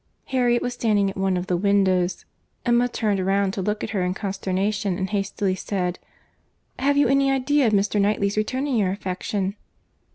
Harriet was standing at one of the windows. Emma turned round to look at her in consternation, and hastily said, "Have you any idea of Mr. Knightley's returning your affection?"